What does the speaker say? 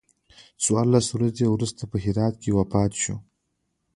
څوارلس ورځې وروسته په هرات کې وفات شو.